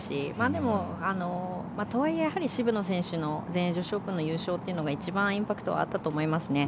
でも、とはいえ渋野選手の全英女子オープンの優勝というのが一番インパクトはあったと思いますね。